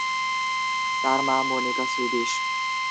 তার মা Monica Swedish.